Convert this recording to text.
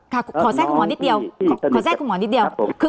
ขอแทรกคุณหมอนิดเดียวขอแทรกคุณหมอนิดเดียว